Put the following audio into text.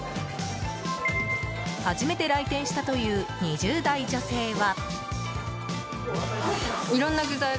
初めて来店したという２０代女性は。